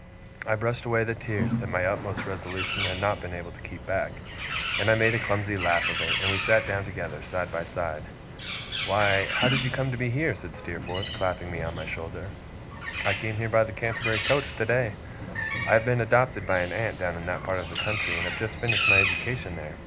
I brushed away the tears that my utmost resolution had not been able to keep back, and I made a clumsy laugh of it, and we sat down together, side by side. 'Why, how do you come to be here?' said Steerforth, clapping me on the shoulder. 'I came here by the Canterbury coach, today. I have been adopted by an aunt down in that part of the country, and have just finished my education there.